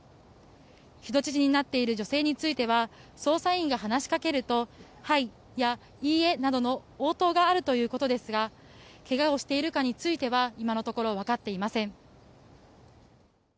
人質になっている女性については捜査員が話しかけるとはいやいいえなどの応答があるということですが怪我をしているかについては今のところわかっていません。